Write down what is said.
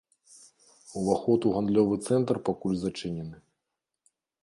Уваход у гандлёвы цэнтр пакуль зачынены.